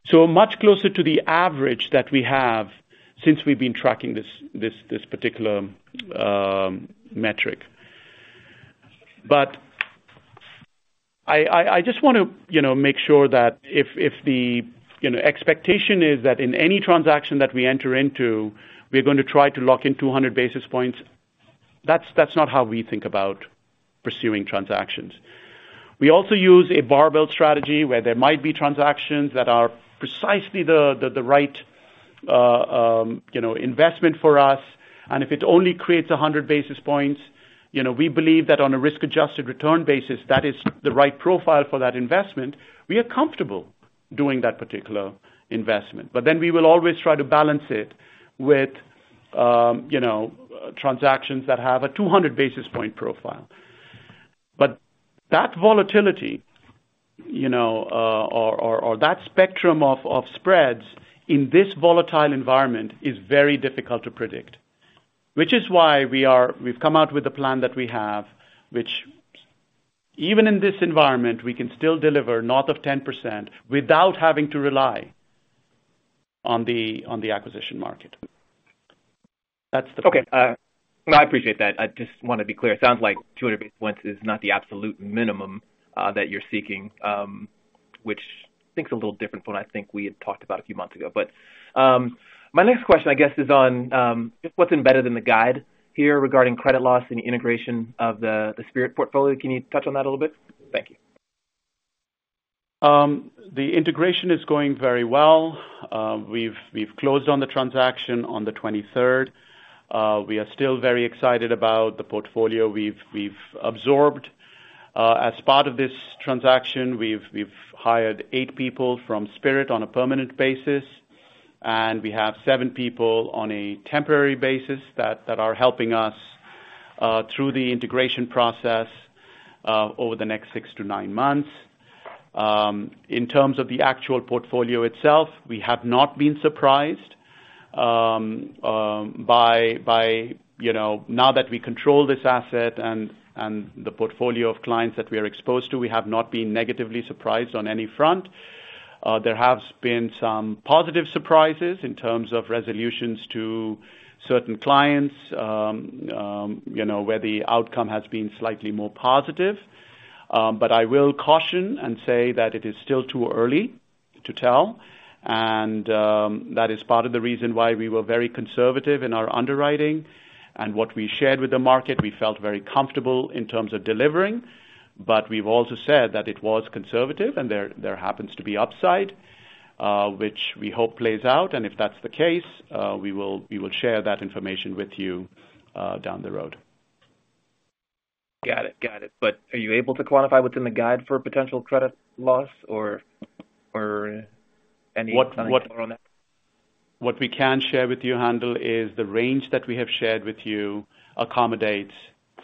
So much closer to the average that we have since we've been tracking this particular metric. But I just want to, you know, make sure that if the, you know, expectation is that in any transaction that we enter into, we're going to try to lock in 200 basis points, that's not how we think about pursuing transactions.... We also use a bar build strategy where there might be transactions that are precisely the right, you know, investment for us, and if it only creates 100 basis points, you know, we believe that on a risk-adjusted return basis, that is the right profile for that investment. We are comfortable doing that particular investment. But then we will always try to balance it with, you know, transactions that have a 200 basis point profile. But that volatility, you know, that spectrum of spreads in this volatile environment is very difficult to predict, which is why we've come out with a plan that we have, which even in this environment, we can still deliver north of 10% without having to rely on the acquisition market. That's the- Okay, I appreciate that. I just want to be clear. It sounds like 200 basis points is not the absolute minimum that you're seeking, which I think is a little different from what I think we had talked about a few months ago. But, my next question, I guess, is on just what's embedded in the guide here regarding credit loss and the integration of the, the Spirit portfolio. Can you touch on that a little bit? Thank you. The integration is going very well. We've closed on the transaction on the 23rd. We are still very excited about the portfolio we've absorbed. As part of this transaction, we've hired 8 people from Spirit on a permanent basis, and we have 7 people on a temporary basis that are helping us through the integration process over the next 6-9 months. In terms of the actual portfolio itself, we have not been surprised by, you know, now that we control this asset and the portfolio of clients that we are exposed to, we have not been negatively surprised on any front. There have been some positive surprises in terms of resolutions to certain clients, you know, where the outcome has been slightly more positive. But I will caution and say that it is still too early to tell, and that is part of the reason why we were very conservative in our underwriting. What we shared with the market, we felt very comfortable in terms of delivering, but we've also said that it was conservative, and there happens to be upside, which we hope plays out. If that's the case, we will share that information with you down the road. Got it. Got it. But are you able to quantify within the guide for potential credit loss or, or any timeline on that? What we can share with you, Haendel, is the range that we have shared with you accommodates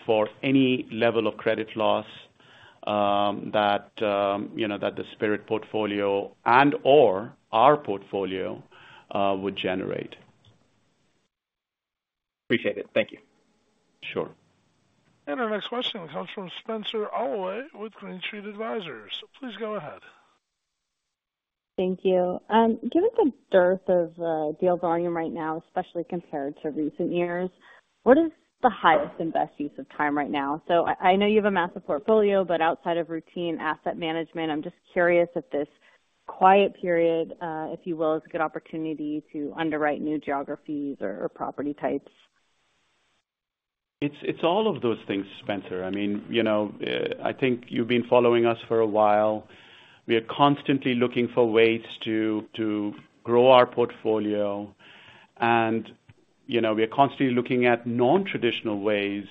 for any level of credit loss, that, you know, that the Spirit portfolio and or our portfolio, would generate. Appreciate it. Thank you. Sure. And our next question comes from Spenser Allaway with Green Street Advisors. Please go ahead. Thank you. Given the dearth of deal volume right now, especially compared to recent years, what is the highest and best use of time right now? So I know you have a massive portfolio, but outside of routine asset management, I'm just curious if this quiet period, if you will, is a good opportunity to underwrite new geographies or property types. It's all of those things, Spenser. I mean, you know, I think you've been following us for a while. We are constantly looking for ways to grow our portfolio, and you know, we are constantly looking at non-traditional ways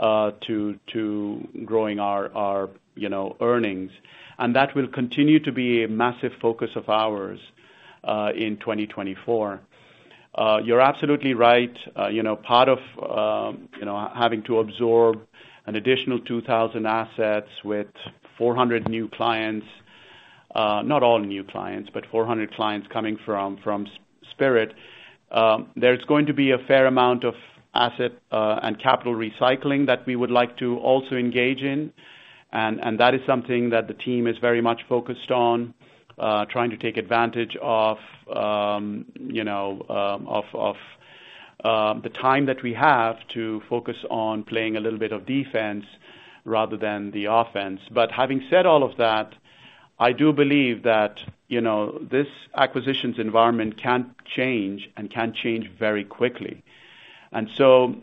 to growing our you know, earnings. And that will continue to be a massive focus of ours in 2024. You're absolutely right. You know, part of you know, having to absorb an additional 2,000 assets with 400 new clients, not all new clients, but 400 clients coming from Spirit, there's going to be a fair amount of asset and capital recycling that we would like to also engage in. And that is something that the team is very much focused on, trying to take advantage of, you know, of the time that we have to focus on playing a little bit of defense rather than the offense. But having said all of that, I do believe that, you know, this acquisitions environment can change and can change very quickly. And so,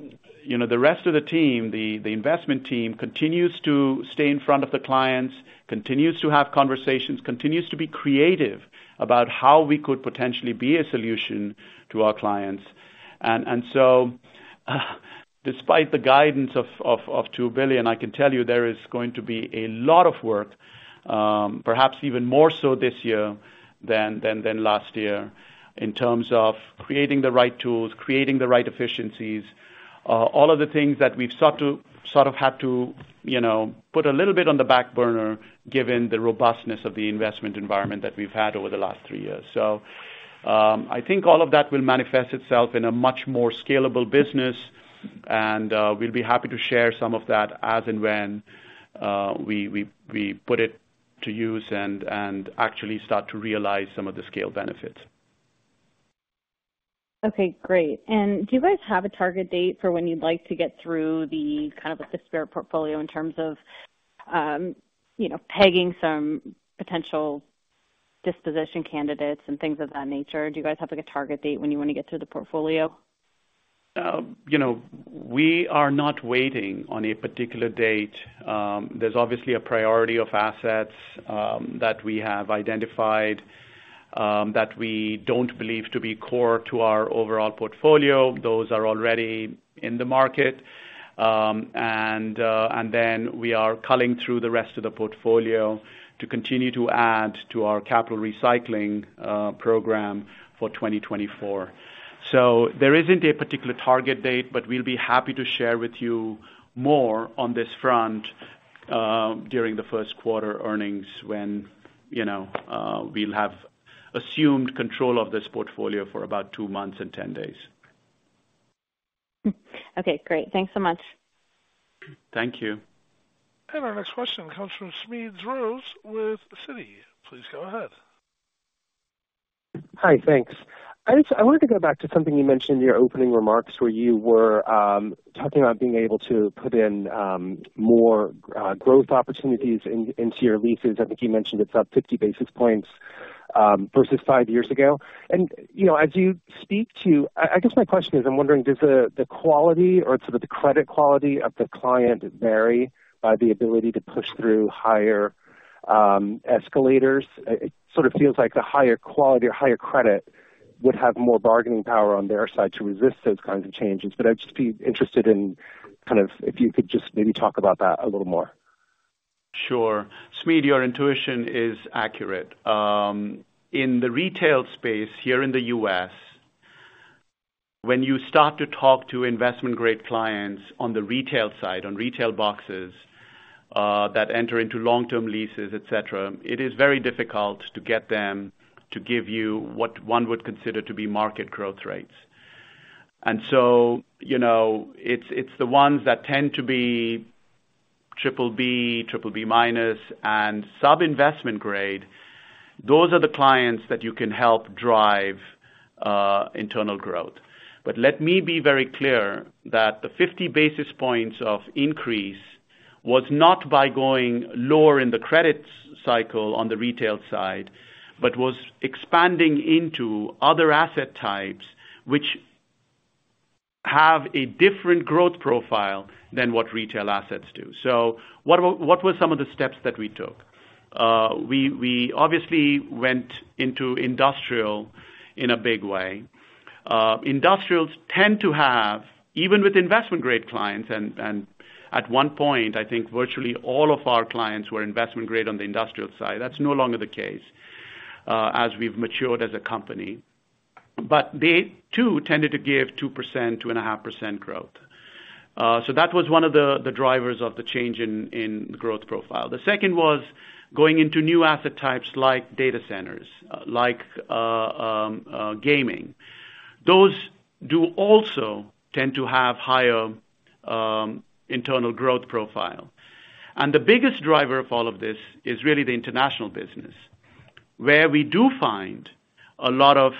you know, the rest of the team, the investment team, continues to stay in front of the clients, continues to have conversations, continues to be creative about how we could potentially be a solution to our clients. And so, despite the guidance of $2 billion, I can tell you there is going to be a lot of work, perhaps even more so this year than last year, in terms of creating the right tools, creating the right efficiencies, all of the things that we've sought to sort of had to, you know, put a little bit on the back burner, given the robustness of the investment environment that we've had over the last three years. So, I think all of that will manifest itself in a much more scalable business, and we'll be happy to share some of that as and when we put it to use and actually start to realize some of the scale benefits. Okay, great. Do you guys have a target date for when you'd like to get through the kind of the Spirit portfolio in terms of, you know, pegging some potential disposition candidates and things of that nature? Do you guys have, like, a target date when you want to get through the portfolio? ... You know, we are not waiting on a particular date. There's obviously a priority of assets that we have identified that we don't believe to be core to our overall portfolio. Those are already in the market, and then we are culling through the rest of the portfolio to continue to add to our capital recycling program for 2024. So there isn't a particular target date, but we'll be happy to share with you more on this front during the first quarter earnings, when, you know, we'll have assumed control of this portfolio for about two months and 10 days. Okay, great. Thanks so much. Thank you. Our next question comes from Smedes Rose with Citi. Please go ahead. Hi, thanks. I just wanted to go back to something you mentioned in your opening remarks, where you were talking about being able to put in more growth opportunities into your leases. I think you mentioned it's up 50 basis points versus five years ago. And, you know, as you speak to... I guess my question is, I'm wondering, does the quality or sort of the credit quality of the client vary by the ability to push through higher escalators? It sort of feels like the higher quality or higher credit would have more bargaining power on their side to resist those kinds of changes, but I'd just be interested in kind of if you could just maybe talk about that a little more. Sure. Smedes, your intuition is accurate. In the retail space here in the U.S., when you start to talk to investment-grade clients on the retail side, on retail boxes, that enter into long-term leases, et cetera, it is very difficult to get them to give you what one would consider to be market growth rates. And so, you know, it's, it's the ones that tend to be triple B, triple B minus, and sub-investment grade. Those are the clients that you can help drive internal growth. But let me be very clear that the 50 basis points of increase was not by going lower in the credit cycle on the retail side, but was expanding into other asset types, which have a different growth profile than what retail assets do. So what were some of the steps that we took? We obviously went into industrial in a big way. Industrials tend to have, even with investment-grade clients, and at one point, I think virtually all of our clients were investment-grade on the industrial side. That's no longer the case, as we've matured as a company. But they too tended to give 2%, 2.5% growth. So that was one of the drivers of the change in growth profile. The second was going into new asset types like data centers, like gaming. Those do also tend to have higher internal growth profile. And the biggest driver of all of this is really the international business, where we do find a lot of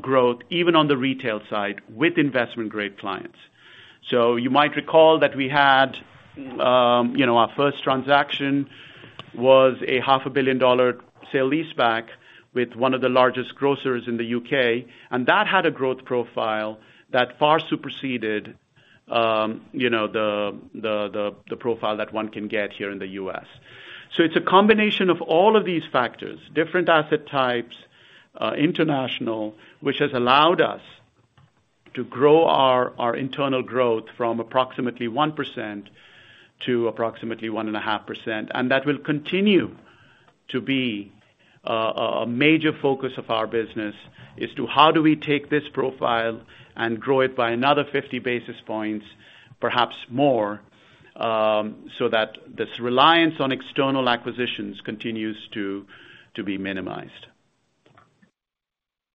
growth, even on the retail side, with investment-grade clients. So you might recall that we had, you know, our first transaction was a $500 million sale-leaseback with one of the largest grocers in the UK, and that had a growth profile that far superseded, you know, the profile that one can get here in the U.S. So it's a combination of all of these factors, different asset types, international, which has allowed us to grow our internal growth from approximately 1% to approximately 1.5%. And that will continue to be a major focus of our business, is to how do we take this profile and grow it by another 50 basis points, perhaps more, so that this reliance on external acquisitions continues to be minimized.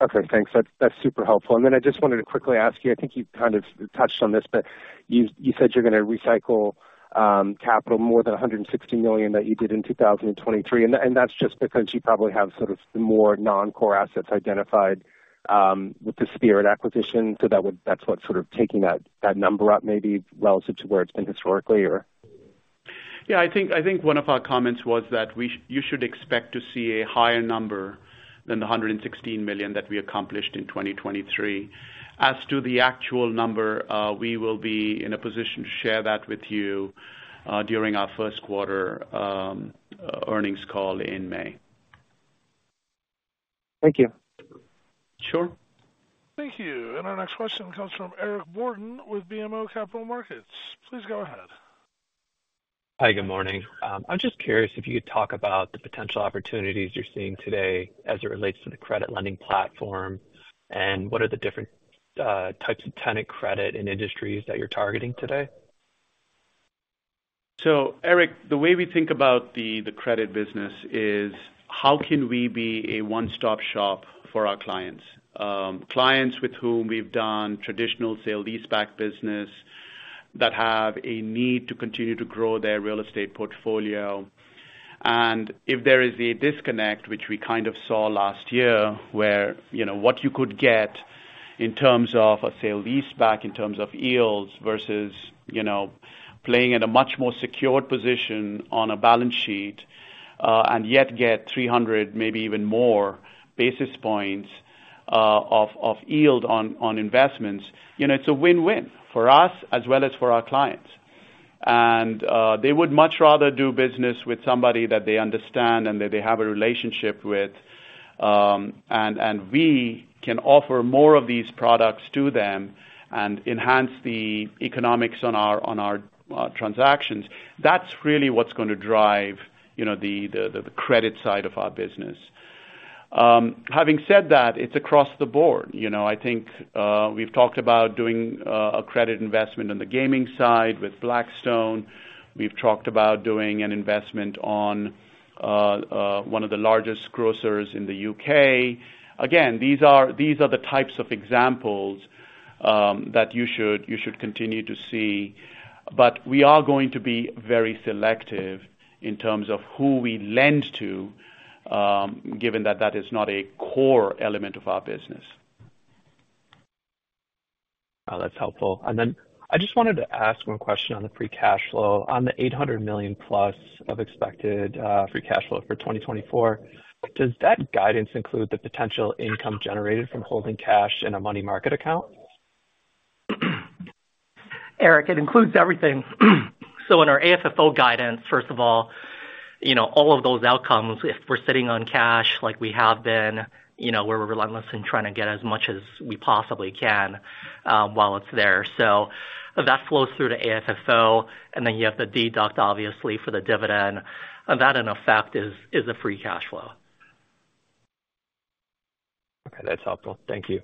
Okay, thanks. That's, that's super helpful. And then I just wanted to quickly ask you, I think you kind of touched on this, but you, you said you're gonna recycle capital, more than $160 million that you did in 2023, and that, and that's just because you probably have sort of more non-core assets identified with the Spirit acquisition. So that would, that's what's sort of taking that, that number up, maybe relative to where it's been historically or? Yeah, I think, I think one of our comments was that you should expect to see a higher number than the $116 million that we accomplished in 2023. As to the actual number, we will be in a position to share that with you during our first quarter earnings call in May. Thank you. Sure. Thank you. Our next question comes from Eric Borden with BMO Capital Markets. Please go ahead. Hi, good morning. I'm just curious if you could talk about the potential opportunities you're seeing today as it relates to the credit lending platform, and what are the different types of tenant credit and industries that you're targeting today? So, Eric, the way we think about the credit business is, how can we be a one-stop shop for our clients? Clients with whom we've done traditional sale-leaseback business, that have a need to continue to grow their real estate portfolio. And if there is a disconnect, which we kind of saw last year, where, you know, what you could get in terms of a sale-leaseback, in terms of yields versus, you know, playing in a much more secured position on a balance sheet, and yet get 300, maybe even more, basis points, of yield on investments, you know, it's a win-win for us as well as for our clients.... and, they would much rather do business with somebody that they understand and that they have a relationship with. And we can offer more of these products to them and enhance the economics on our transactions. That's really what's going to drive, you know, the credit side of our business. Having said that, it's across the board. You know, I think we've talked about doing a credit investment on the gaming side with Blackstone. We've talked about doing an investment on one of the largest grocers in the UK. Again, these are the types of examples that you should continue to see, but we are going to be very selective in terms of who we lend to, given that that is not a core element of our business. That's helpful. I just wanted to ask one question on the free cash flow. On the $800 million plus of expected free cash flow for 2024, does that guidance include the potential income generated from holding cash in a money market account? Eric, it includes everything. So in our AFFO guidance, first of all, you know, all of those outcomes, if we're sitting on cash like we have been, you know, we're relentless in trying to get as much as we possibly can, while it's there. So that flows through to AFFO, and then you have to deduct, obviously, for the dividend. That in effect is a free cash flow. Okay, that's helpful. Thank you.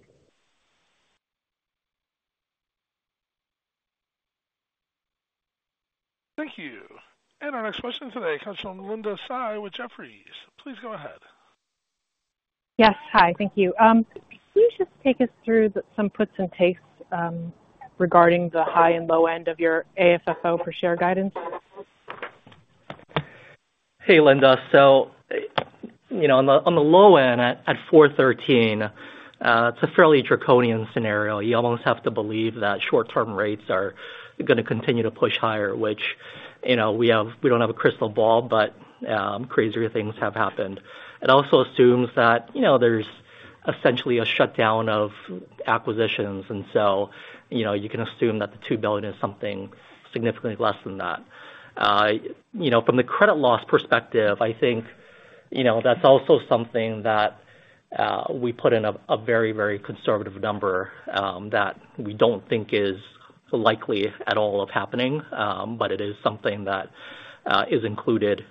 Thank you. Our next question today comes from Linda Tsai with Jefferies. Please go ahead. Yes. Hi, thank you. Can you just take us through some puts and takes regarding the high and low end of your AFFO per share guidance? Hey, Linda. So, you know, on the low end, at 4.13, it's a fairly draconian scenario. You almost have to believe that short-term rates are gonna continue to push higher, which, you know, we don't have a crystal ball, but crazier things have happened. It also assumes that, you know, there's essentially a shutdown of acquisitions, and so, you know, you can assume that the $2 billion is something significantly less than that. You know, from the credit loss perspective, I think, you know, that's also something that we put in a very, very conservative number that we don't think is likely at all of happening, but it is something that is included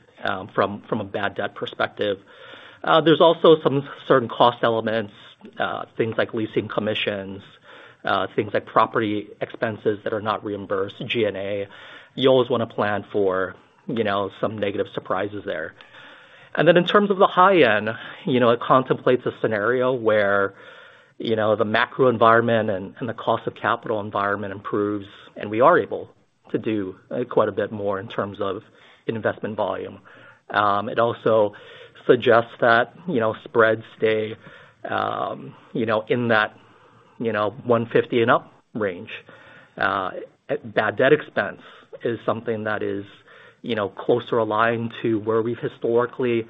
from a bad debt perspective. There's also some certain cost elements, things like leasing commissions, things like property expenses that are not reimbursed, G&A. You always want to plan for, you know, some negative surprises there. And then in terms of the high end, you know, it contemplates a scenario where, you know, the macro environment and the cost of capital environment improves, and we are able to do quite a bit more in terms of investment volume. It also suggests that, you know, spreads stay, you know, in that 150 and up range. Bad debt expense is something that is, you know, closer aligned to where we've historically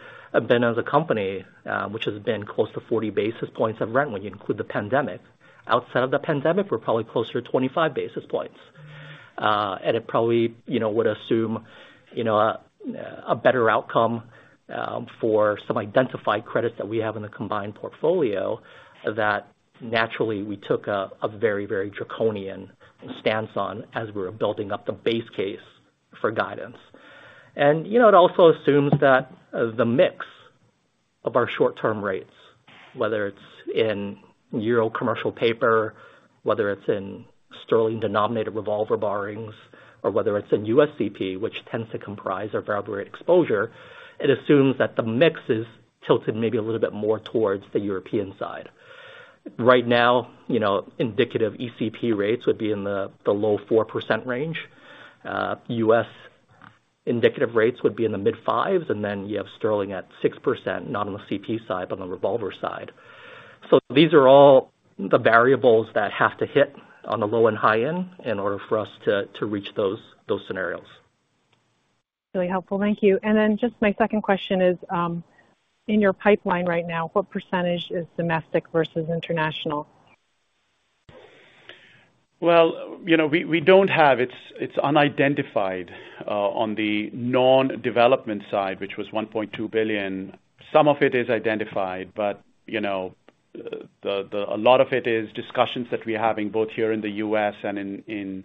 been as a company, which has been close to 40 basis points of rent when you include the pandemic. Outside of the pandemic, we're probably closer to 25 basis points. And it probably, you know, would assume, you know, a better outcome for some identified credits that we have in the combined portfolio, that naturally we took a very, very draconian stance on as we were building up the base case for guidance. And, you know, it also assumes that the mix of our short-term rates, whether it's in Euro commercial paper, whether it's in sterling-denominated revolver borrowings, or whether it's in USCP, which tends to comprise our variable rate exposure, it assumes that the mix is tilted maybe a little bit more towards the European side. Right now, you know, indicative ECP rates would be in the low 4% range. US indicative rates would be in the mid-5s, and then you have sterling at 6%, not on the CP side, but on the revolver side. So these are all the variables that have to hit on the low and high end in order for us to reach those scenarios. Really helpful. Thank you. And then just my second question is, in your pipeline right now, what percentage is domestic versus international? Well, you know, we don't have... It's unidentified on the non-development side, which was $1.2 billion. Some of it is identified, but, you know, a lot of it is discussions that we're having both here in the US and in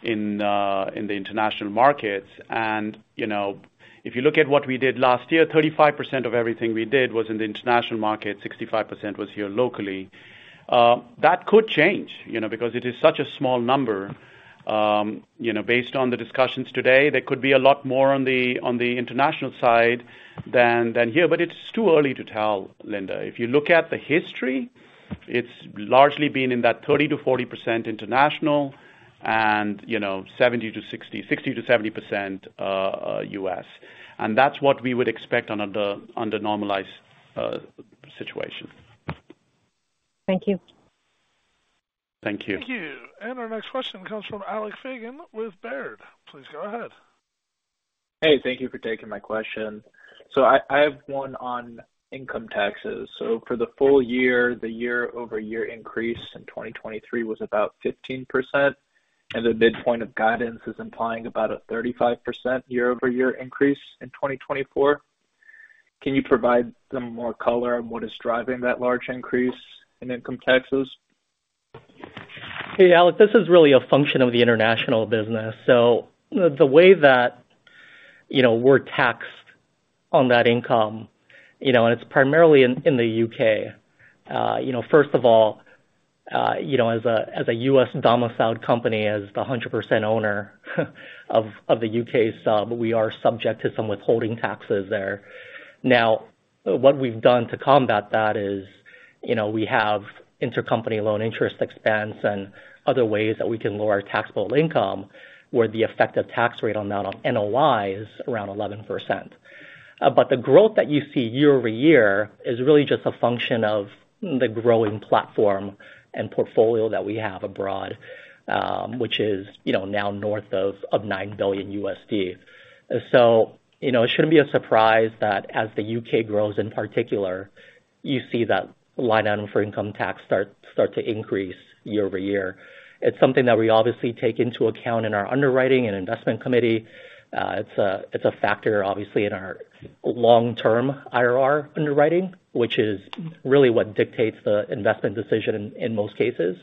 the international markets. And, you know, if you look at what we did last year, 35% of everything we did was in the international market, 65% was here locally. That could change, you know, because it is such a small number. You know, based on the discussions today, there could be a lot more on the international side than here, but it's too early to tell, Linda. If you look at the history, it's largely been in that 30%-40% international and, you know, 60-70% US. That's what we would expect under normalized situation. Thank you. Thank you. Thank you. Our next question comes from Alex Fagan with Baird. Please go ahead. Hey, thank you for taking my question. So I have one on income taxes. So for the full year, the year-over-year increase in 2023 was about 15%, and the midpoint of guidance is implying about a 35% year-over-year increase in 2024. Can you provide some more color on what is driving that large increase in income taxes? Hey, Alex, this is really a function of the international business. So the way that, you know, we're taxed on that income, you know, and it's primarily in the U.K. You know, first of all, you know, as a U.S. domiciled company, as the 100% owner of the U.K. sub, we are subject to some withholding taxes there. Now, what we've done to combat that is, you know, we have intercompany loan interest expense and other ways that we can lower our taxable income, where the effective tax rate on that NLI is around 11%. But the growth that you see year-over-year is really just a function of the growing platform and portfolio that we have abroad, which is, you know, now north of $9 billion. So you know, it shouldn't be a surprise that as the UK grows, in particular, you see that line item for income tax start to increase year-over-year. It's something that we obviously take into account in our underwriting and investment committee. It's a factor, obviously, in our long-term IRR underwriting, which is really what dictates the investment decision in most cases.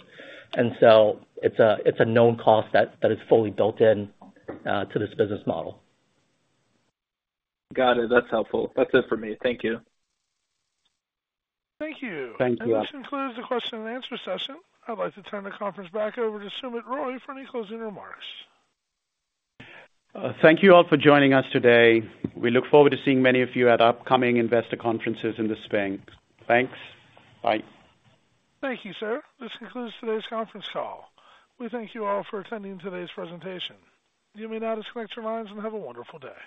And so it's a known cost that is fully built in to this business model. Got it. That's helpful. That's it for me. Thank you. Thank you. Thank you. This concludes the question and answer session. I'd like to turn the conference back over to Sumit Roy for any closing remarks. Thank you all for joining us today. We look forward to seeing many of you at upcoming investor conferences in the spring. Thanks. Bye. Thank you, sir. This concludes today's conference call. We thank you all for attending today's presentation. You may now disconnect your lines and have a wonderful day.